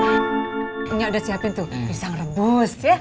unya udah siapin tuh bisa ngerebus ya